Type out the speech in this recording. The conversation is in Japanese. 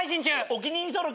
お気に入り登録。